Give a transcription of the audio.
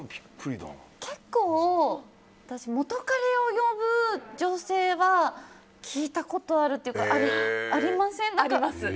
結構、私、元カレを呼ぶ女性は聞いたことあるというかありません？